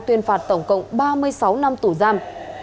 tuyên phạt tổng cộng ba mươi sáu năm tù giam